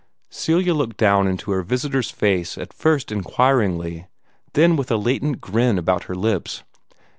Celia looked down into her visitor's face at first inquiringly, then with a latent grin about her lips.